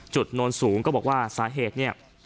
โน้นสูงก็บอกว่าสาเหตุเนี่ย